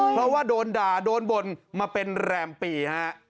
เพราะว่าโดนด่าโดนบ่นมาเป็นแรมปีฮะ